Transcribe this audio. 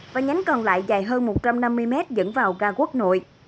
và nhánh còn lại dài hơn một trăm năm mươi m dẫn vào ca quốc nội